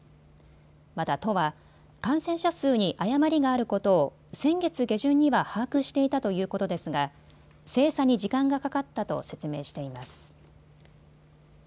また都は、感染者数に誤りがあることを先月下旬には把握していたということですが、精査に時間がかかったと説明しています。